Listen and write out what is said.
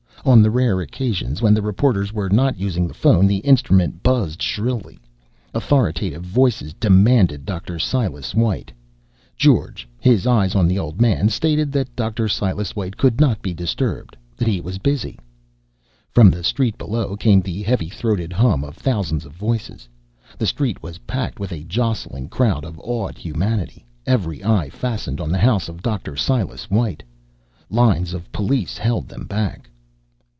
On the rare occasions when the reporters were not using the phone the instrument buzzed shrilly. Authoritative voices demanded Dr. Silas White. George, his eyes on the old man, stated that Dr. Silas White could not be disturbed, that he was busy. From the street below came the heavy throated hum of thousands of voices. The street was packed with a jostling crowd of awed humanity, every eye fastened on the house of Dr. Silas White. Lines of police held them back.